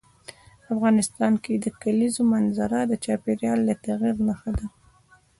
افغانستان کې د کلیزو منظره د چاپېریال د تغیر نښه ده.